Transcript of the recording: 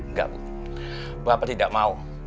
enggak bu bapak tidak mau